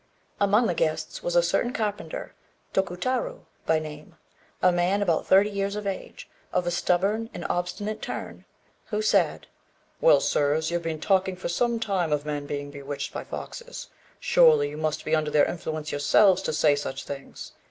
Among the guests was a certain carpenter, Tokutarô by name, a man about thirty years of age, of a stubborn and obstinate turn, who said "Well, sirs, you've been talking for some time of men being bewitched by foxes; surely you must be under their influence yourselves, to say such things.